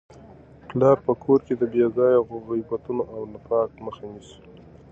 پلار په کور کي د بې ځایه غیبتونو او نفاق مخه نیسي.